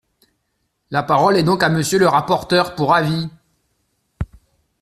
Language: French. La parole est donc à Monsieur le rapporteur pour avis.